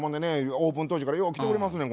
オープン当時からよう来ておりますねん